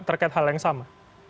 terkait hal yang sama